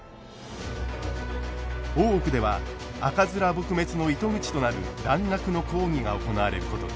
大奥では赤面撲滅の糸口となる蘭学の講義が行われることに。